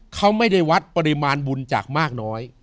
เขาไม่ได้วัดปริมาณบุญจากมากน้อย